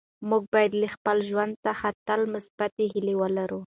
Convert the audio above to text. موږ باید له خپل ژوند څخه تل مثبتې هیلې ولرو.